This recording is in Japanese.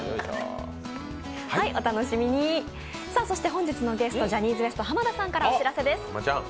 本日のゲスト、ジャニーズＷＥＳＴ・濱田さんからお知らせです。